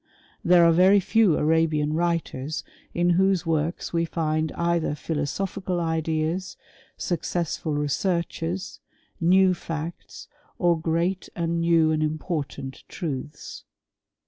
There are very few Arabian writers in whose works we find either philosophical ideas, successful researches, new facts, or great and new and important truths.